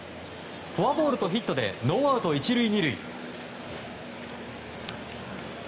フォアボールとヒットでノーアウト１塁２塁。